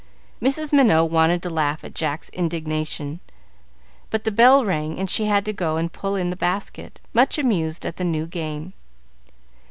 Mrs. Minot wanted to laugh at Jack's indignation, but the bell rang, and she had to go and pull in the basket, much amused at the new game.